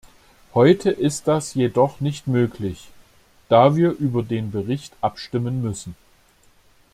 Heute ist das jedoch nicht möglich, da wir über den Bericht abstimmen müssen.